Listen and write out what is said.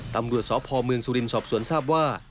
ตำรวจสพเมืองสุรินทร์สอบสวนทราบว่า